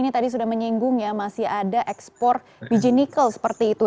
ini tadi sudah menyinggung ya masih ada ekspor biji nikel seperti itu